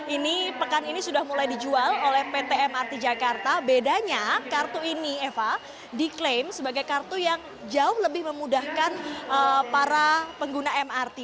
ini pekan ini sudah mulai dijual oleh pt mrt jakarta bedanya kartu ini eva diklaim sebagai kartu yang jauh lebih memudahkan para pengguna mrt